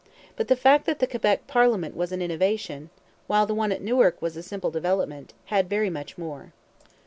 But the fact that the Quebec parliament was an innovation, while the one at Newark was a simple development, had very much more.